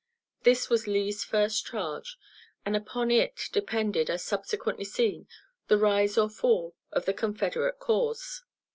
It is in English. This was Lee's first charge, and upon it depended, as subsequently seen, the rise or fall of the Confederate cause.